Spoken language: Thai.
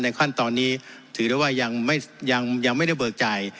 ขั้นตอนนี้ถือได้ว่ายังไม่ได้เบิกจ่าย